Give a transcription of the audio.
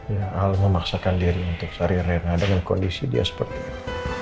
ya al memaksakan diri untuk cari arena dengan kondisi dia seperti itu